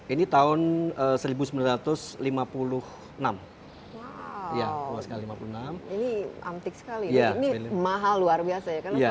ini tahun berapa ini tahun